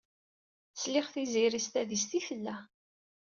Sliɣ Tiziri s tadist i tella.